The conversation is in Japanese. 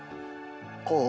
こう？